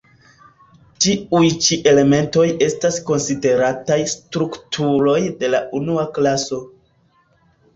Tiuj ĉi elementoj estas konsiderataj strukturoj de la unua klaso.